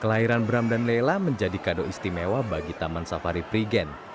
kelahiran bram dan lela menjadi kado istimewa bagi taman safari prigen